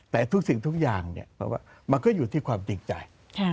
แต่ทุกสิ่งทุกอย่างมันก็อยู่ที่ความจริงใจ